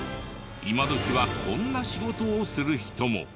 今どきはこんな仕事をする人も。